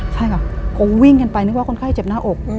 ใช่ค่ะคงวิ่งกันไปนึกว่าคนไข้เจ็บหน้าอก